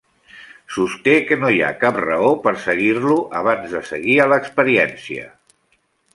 Sosté que no hi ha cap raó per seguir-lo, abans de seguir a l'experiència.